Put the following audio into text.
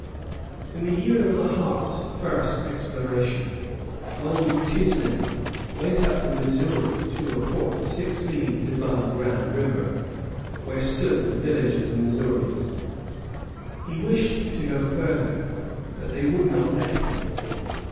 In the year of La Harpe's first exploration, one Du Tisné went up the Missouri to a point six leagues above Grand River, where stood the village of the Missouris. He wished to go farther, but they would not let him.